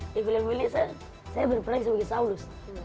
di film filmnya saya berperan sebagai saulus